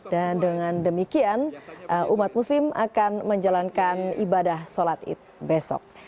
dengan demikian umat muslim akan menjalankan ibadah sholat id besok